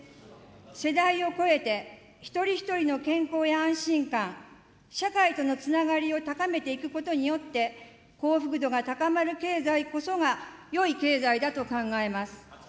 世代を超えて、一人一人の健康や安心感、社会とのつながりを高めていくことによって、幸福度が高まる経済こそが、よい経済だと考えます。